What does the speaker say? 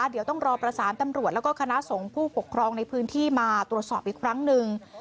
เดี๋ยวต้องรอประสานตำรวจแล้วก็คณะสงฆ์ผู้ปกครองในพื้นที่มาตรวจสอบอีกครั้งหนึ่ง